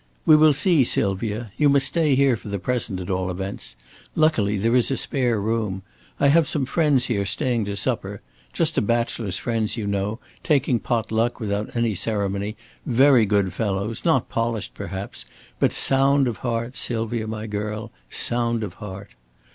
"We will see, Sylvia. You must stay here for the present, at all events. Luckily, there is a spare room. I have some friends here staying to supper just a bachelor's friends, you know, taking pot luck without any ceremony, very good fellows, not polished, perhaps, but sound of heart, Sylvia my girl, sound of heart."